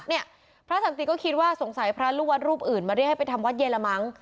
เนี่ยพระสันติก็คิดว่าสงสัยพระลูกวัดรูปอื่นมาเรียกให้ไปทำวัดเย็นละมั้ง